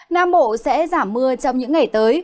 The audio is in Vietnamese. nam bộ sẽ giảm mưa trong những ngày tới